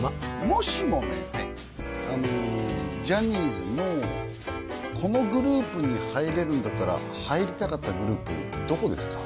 もしもねジャニーズのこのグループに入れるんだったら入りたかったグループどこですか？